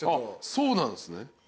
そうなんすね。